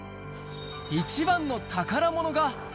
一番の宝物が。